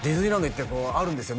行ってこうあるんですよ